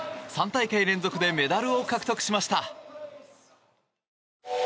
３大会連続でメダルを獲得しました。